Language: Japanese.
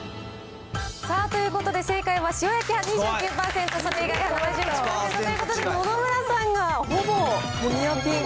ということで正解は、塩焼きは２９％、それ以外は７１％ということで、野々村さんがほぼニアピン。